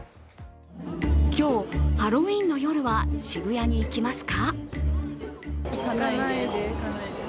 今日、ハロウィーンの夜は渋谷に行きますか？